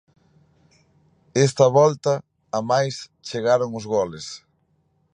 Esta volta, amais, chegaron os goles.